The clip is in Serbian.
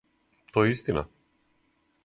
То је истина?